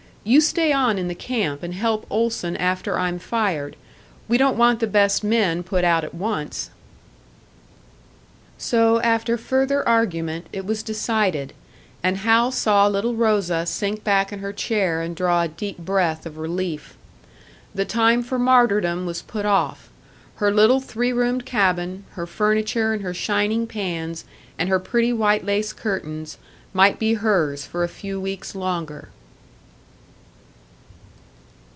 You stay on in the camp and help Olson after I'm fired. We don't want the best men put out at once." So, after further argument, it was decided, and Hal saw little Rosa sink back in her chair and draw a deep breath of relief. The time for martyrdom was put off; her little three roomed cabin, her furniture and her shining pans and her pretty white lace curtains, might be hers for a few weeks longer!